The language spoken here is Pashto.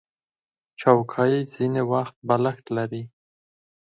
چوکۍ ځینې وخت بالښت لري.